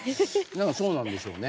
何かそうなんでしょうね。